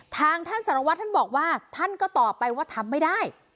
ทางท่านสารวัตรท่านบอกว่าท่านก็ตอบไปว่าทำไม่ได้